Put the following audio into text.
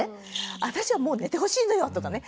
「私はもう寝てほしいのよ」とかね